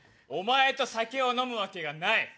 お前と酒を飲むわけがない。